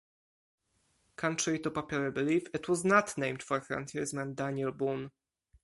Contrary to popular belief, it was not named for frontiersman Daniel Boone.